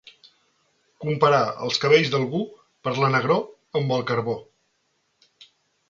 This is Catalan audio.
Comparar els cabells d'algú, per la negror, amb el carbó.